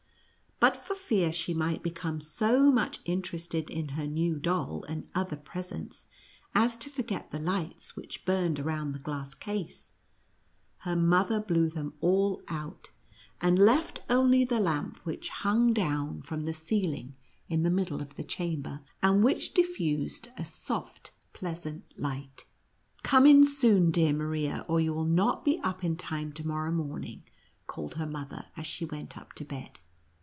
But for fear she might become so much interested in her new doll and other presents as to forget the lights which burn ed around the glass case, her mother blew them all out, and left only the lamp which hung clown 28 NUTCRACKER AND MOUSE KING. from the ceiling in the middle of the chamber, and which diffused a soft, pleasant light. " Come in soon, dear Maria, or you will not be up in time to morrow morning," called her mother, as she went up to bed.